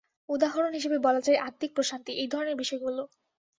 উদাহরণ হিসেবে বলা যায়, আত্মিক প্রশান্তি, এই ধরণের বিষয়গুলো।